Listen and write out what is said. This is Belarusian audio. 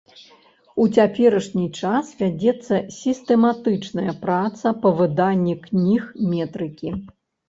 У цяперашні час вядзецца сістэматычная праца па выданні кніг метрыкі.